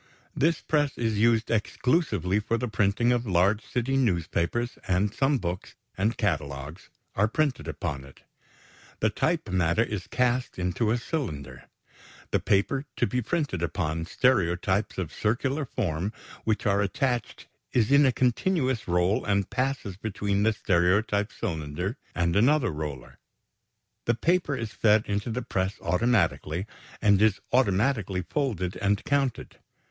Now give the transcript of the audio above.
This press is used exclusively for the printing of large city newspapers, and some books, and catalogues are printed upon it. The type matter is cast into to a cylinder. The paper to be printed upon stereotypes of circular form which are attached is in a continuous roll and passes between the stereotype cylinder and another roller. The paper is fed into the press automatically, and is automatically folded and counted.